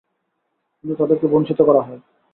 কিন্তু তাদেরকে বঞ্চিত করা হয়।